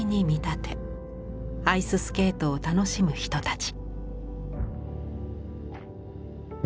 アイススケートを楽しむ人たち。